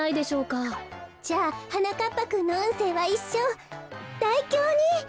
じゃあはなかっぱくんのうんせいはいっしょう大凶に。